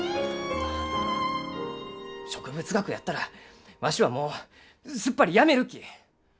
植物学やったらわしはもうすっぱりやめるき！